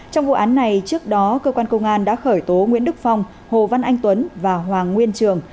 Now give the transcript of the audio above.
trong vụ án này trước đó cơ quan công an đã khởi tố nguyễn đức phong hồ văn anh tuấn và hoàng nguyên trường